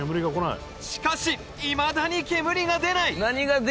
しかしいまだに煙が出ない